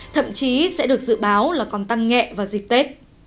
thậm chí sẽ được dự báo là còn tăng nghẹ và dịp tết